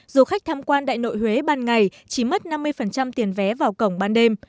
du khách tham quan đại nội huế ban ngày chỉ mất năm mươi tiền vé vào cổng ban đêm